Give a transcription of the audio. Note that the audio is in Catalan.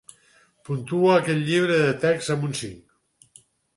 Puntuo aquest llibre de text amb un cinc.